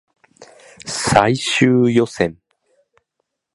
最終予選